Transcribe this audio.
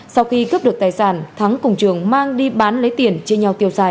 sau khi cướp được tài sản thắng cùng trường mang đi bán lấy tiền chia nhau tiêu xài